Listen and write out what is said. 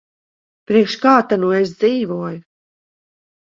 Priekš kā ta nu es dzīvoju.